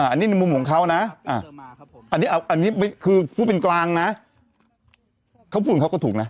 อันนี้ในมุมของเขานะอันนี้คือพูดเป็นกลางนะเขาพูดเขาก็ถูกนะ